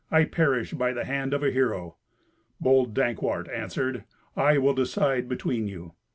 I perish by the hand of a hero." Bold Dankwart answered, "I will decide between you."